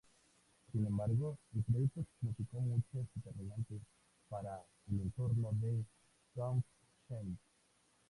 Sin embargo, el proyecto significó muchas interrogantes para el entorno de Townshend.